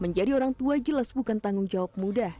menjadi orang tua jelas bukan tanggung jawab mudah